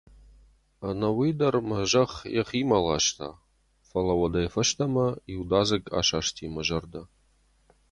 Ӕнӕ уый дӕр мӕ зӕхх йӕхимӕ ласта, фӕлӕ уӕдӕй фӕстӕмӕ иудадзыг асасти мӕ зӕрдӕ.